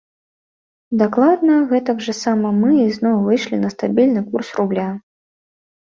Дакладна гэтак жа сама мы ізноў выйшлі на стабільны курс рубля.